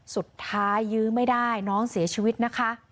สุดท้ายยื้อไม่ได้น้องเสียชีวิตนะคะ